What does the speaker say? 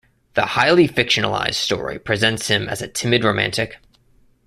The highly fictionalized story presents him as a timid romantic.